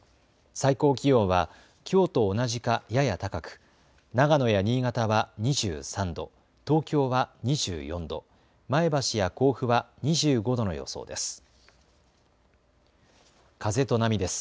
最高気温はきょうと同じかやや高く、長野や新潟は２３度、東京は２４度、前橋や甲府は２５度の予想です。